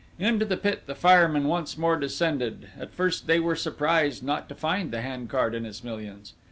"Into the pit the firemen once more descended; at first they were surprised not to find the hand cart and its millions!